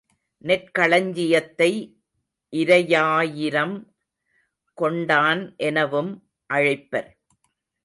நெற்களஞ்சியத்தை இரையாயிரம் கொண்டான் எனவும் அழைப்பர்.